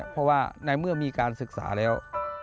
เพราะว่าในเมื่อมีการศึกษาแล้ว